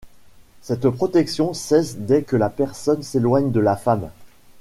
Cette protection cesse dès que la personne s'éloigne de la femme.